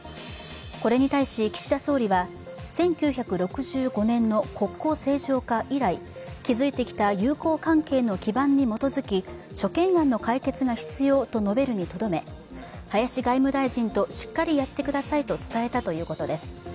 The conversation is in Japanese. これに対し、岸田総理は１９６５年の国交正常化以来、築いてきた友好関係の基盤に基づき、諸懸案の解決が必要と述べるにとどめ、林外務大臣としっかりやってくださいと伝えたということです。